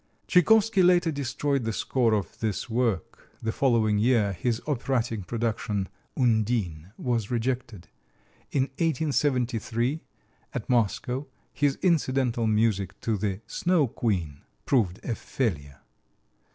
Tchaikovsky later destroyed the score of this work. The following year his operatic production, "Undine," was rejected. In 1873, at Moscow, his incidental music to the "Snow Queen" proved a failure.